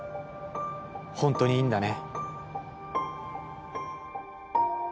ホントにいいんだね？